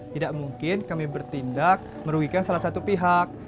tidak mungkin kami bertindak merugikan salah satu pihak